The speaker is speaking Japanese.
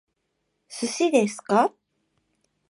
寿司ですか？